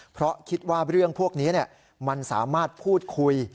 เพราะคิดว่าเรื่องพวกนี้มันสามารถพูดคุย